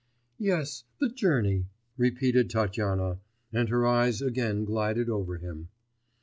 'Yes, the journey,' repeated Tatyana, and her eyes again glided over him.